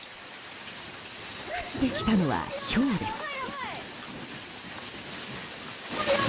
降ってきたのは、ひょうです。